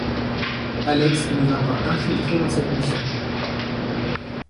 Alex ne va pas infiltré dans cette mission.